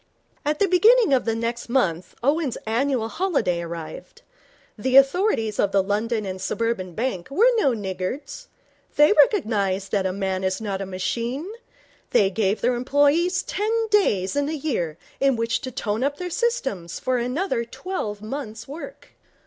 At the beginning of the next month Owen's annual holiday arrived. The authorities of the London and Suburban Bank were no niggards. They recognized that a man is not a machine. They gave their employees ten days in the year in which to tone up their systems for another twelve months' work.